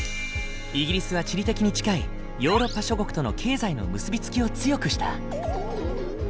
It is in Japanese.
イギリスは地理的に近いヨーロッパ諸国との経済の結びつきを強くした。